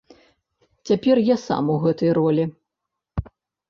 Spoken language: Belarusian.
Цяпер я сам у гэтай ролі.